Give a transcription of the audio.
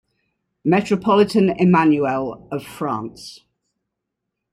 Metropolitan Emmanuel of France.